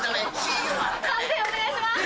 判定お願いします。